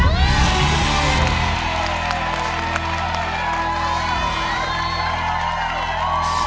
เยี่ยมครับ